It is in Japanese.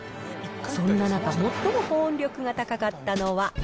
そんな中、最も保温力が高かったのは。